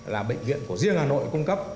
là bệnh viện của riêng hà nội cung cấp